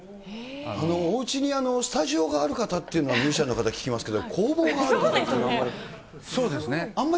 おうちにスタジオがある方っていうのは、ミュージシャンの方聞きますけど、工房があるというのは、あんまり。